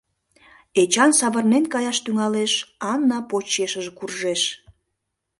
Эчан савырнен каяш тӱҥалеш, Ана почешыже куржеш.